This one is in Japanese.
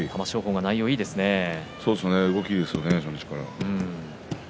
動きがいいですね初日から。